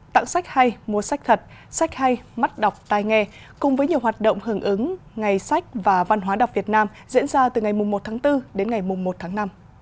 tặng sách hay mua sách thật sách hay mắt đọc tai nghe cùng với nhiều hoạt động hưởng ứng ngày sách và văn hóa đọc việt nam diễn ra từ ngày một tháng bốn đến ngày một tháng năm